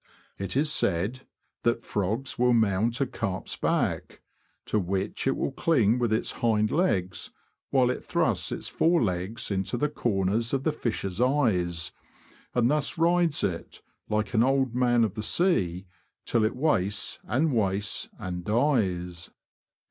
It is said '* that frogs will mount a carp's back, to which it will cling with its hind legs, while it thrusts its fore legs into the corners of the fish's eyes, and thus rides it, like an Old Man of the Sea, till it wastes, and wastes, and dies